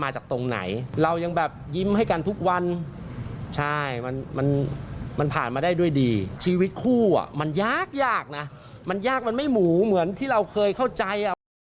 ใช่มันผ่านมาได้ด้วยดีชีวิตคู่มันยากหน่อยไม่หมูเหมือนที่เราเคยเข้าใจ